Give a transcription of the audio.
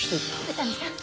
宇佐見さん。